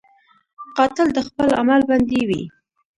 قاتل د خپل عمل بندي وي